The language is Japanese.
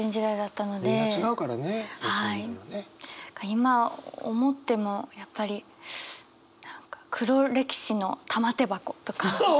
今思ってもやっぱり「黒歴史の玉手箱」とか。